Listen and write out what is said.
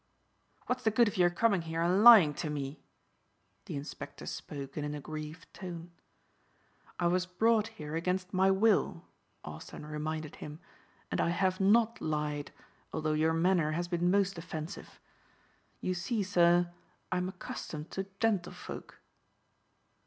"What's the good of your coming here and lying to me?" The inspector spoke in an aggrieved tone. "I was brought here against my will," Austin reminded him, "and I have not lied, although your manner has been most offensive. You see, sir, I'm accustomed to gentlefolk."